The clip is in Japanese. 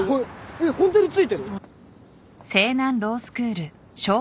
えっホントについてる？